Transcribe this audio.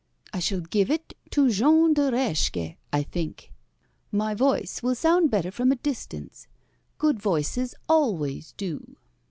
I shall give it to Jean de Reszke, I think. My voice will sound better from a distance. Good voices always do."